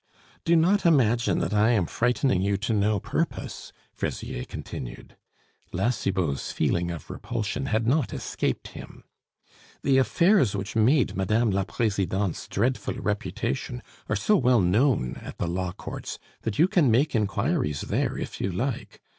"Do not imagine that I am frightening you to no purpose," Fraisier continued. (La Cibot's feeling of repulsion had not escaped him.) "The affairs which made Mme. la Presidente's dreadful reputation are so well known at the law courts, that you can make inquiries there if you like.